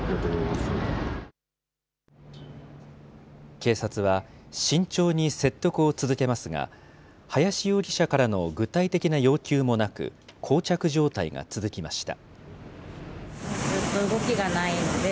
警察は、慎重に説得を続けますが、林容疑者からの具体的な要求もなく、こう着状態が続きました。